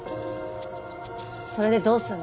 それでどうすんの？